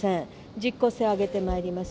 実効性を上げてまいります。